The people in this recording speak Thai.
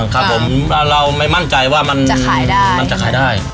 ครับผมเราไม่มั่นใจว่ามันจะขายได้มันจะขายได้